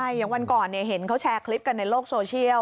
อย่างวันก่อนเห็นเขาแชร์คลิปกันในโลกโซเชียล